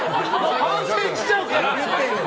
反省しちゃうから！